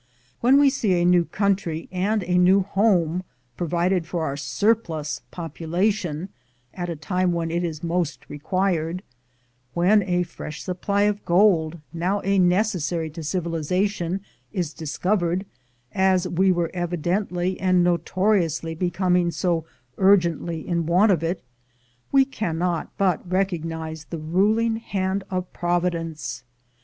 When we see a new country and a new home provided for our surplus population, at a time when it was most required — when a fresh supply of gold, now a necessary to civilization, is discovered, as we were evidently and notoriously becoming so urgently in want of it, we cannot but recognize the ruling hand of Providence.